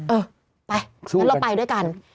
เออไปงั้นเราไปด้วยกัน